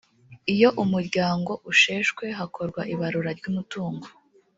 iyo umuryango usheshwe, hakorwa ibarura ry’umutungo